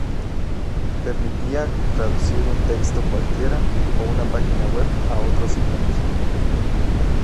Permitía traducir un texto cualquiera o una página web a otros idiomas.